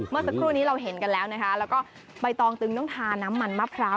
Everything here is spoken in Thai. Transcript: เมื่อสักครู่นี้เราเห็นกันแล้วนะคะแล้วก็ใบตองตึงต้องทาน้ำมันมะพร้าว